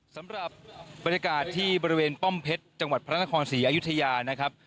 สำหรับบรรยากาศที่บริเวณป้อมเพชรจังหวัดพระนครศรีอยุธยานะครับ